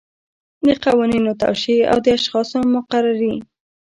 د قوانینو توشیح او د اشخاصو مقرري.